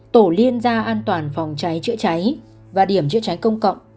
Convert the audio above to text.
tổ liên gia an toàn phòng cháy chữa cháy và điểm chữa cháy công cộng